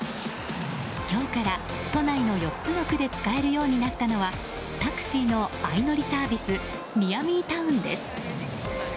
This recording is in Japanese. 今日から都内の４つの区で使えるようになったのはタクシーの相乗りサービスｎｅａｒＭｅ．Ｔｏｗｎです。